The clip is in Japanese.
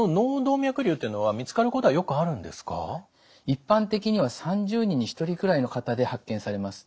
一般的には３０人に１人くらいの方で発見されます。